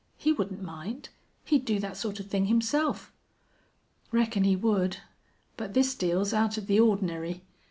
He wouldn't mind. He'd do that sort of thing himself." "Reckon he would. But this deal's out of the ordinary.